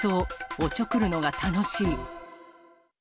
おちょくるのが楽しい。